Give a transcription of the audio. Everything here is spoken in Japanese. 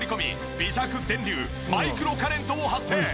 微弱電流マイクロカレントを発生。